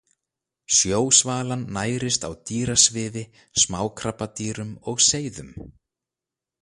Sjósvalan nærist á dýrasvifi, smákrabbadýrum og seiðum.